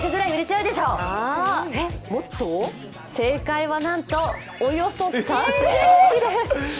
正解は、なんとおよそ３０００切れ。